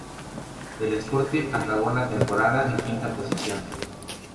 El Sporting acabó la temporada en quinta posición.